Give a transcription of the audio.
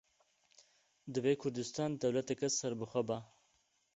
Divê Kurdistan dewleteke serbixwe ba.